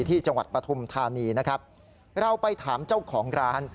ที่จังหวัดปฐมธานีนะครับเราไปถามเจ้าของร้าน